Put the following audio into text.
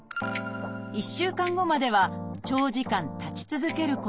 １週間後までは長時間立ち続けること。